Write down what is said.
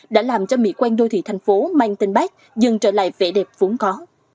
đã làm cho mỹ quan đô thị thành phố mang tên bác dần trở lại vẻ đẹp vốn có